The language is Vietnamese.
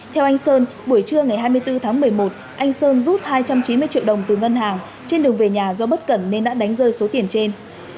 theo anh sơn buổi trưa ngày hai mươi bốn tháng một mươi một anh sơn rút hai trăm chín mươi triệu đồng từ ngân hàng trên đường về nhà do bất cẩn nên đã đánh rơi số tiền trên